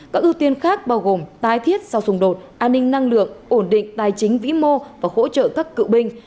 các ưu tiên khác bao gồm tái thiết sau xung đột an ninh năng lượng ổn định tài chính vĩ mô và hỗ trợ các cựu binh